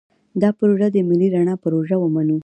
دا پروژه دې د ملي رڼا پروژه ومنو.